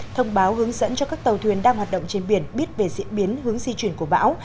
thông báo hướng dẫn cho các tàu thuyền đang hoạt động trên biển biết về diễn biến hướng di chuyển của bão